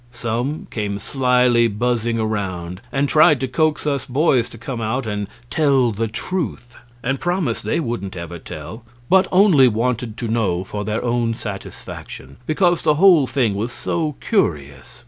Some came slyly buzzing around and tried to coax us boys to come out and "tell the truth;" and promised they wouldn't ever tell, but only wanted to know for their own satisfaction, because the whole thing was so curious.